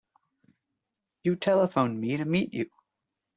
You telephoned me to meet you.